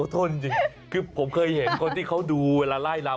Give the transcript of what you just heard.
ที่ผมเคยเห็นคนที่ดูเวลาลายลำ